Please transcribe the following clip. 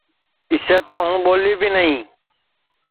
اِسے تو ہوں ٻولے بی نائی